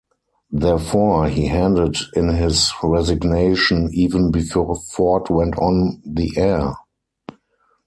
Therefore, he handed in his resignation even before Ford went on the air.